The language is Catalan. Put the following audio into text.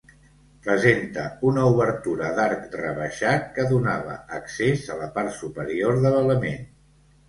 Presenta una obertura d'arc rebaixat, que donava accés a la part superior de l'element.